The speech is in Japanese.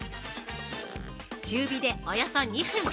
◆中火でおよそ２分。